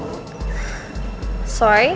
ngapain ya nyariin gue